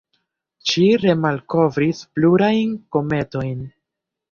Ŝi remalkovris plurajn kometojn.